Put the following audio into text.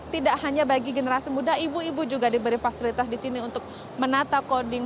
tidak hanya bagi generasi muda ibu ibu juga diberi fasilitas di sini untuk menata coding